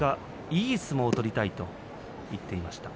いい相撲を取りたいと言っていました。